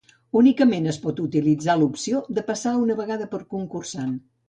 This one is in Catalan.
Únicament es pot utilitzar l'opció de passar una vegada per concursant.